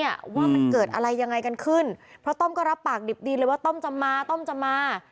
ว่ามันเกิดอะไรยังไงกันขึ้นเพราะต้อมก็รับปากดิบดีเลยว่าต้อมจะมาต้อมจะมา